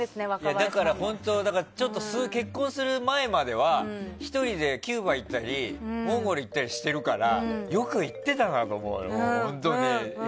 だから、結婚する前まではキューバに行ったりモンゴル行ったりしているからよく行ってたなと思うよ。